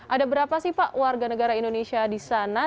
ada berapa sih pak warga negara indonesia di sana